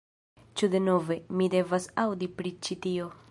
Ĉu denove, mi devas aŭdi pri ĉi tio